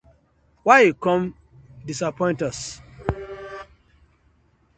Wai you come us disappoint?